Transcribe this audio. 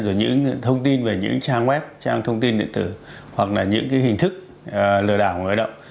rồi những thông tin về những trang web trang thông tin nguyện tử hoặc là những hình thức lừa đảo của người lao động